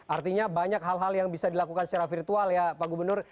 artinya banyak hal hal yang bisa dilakukan secara virtual ya pak gubernur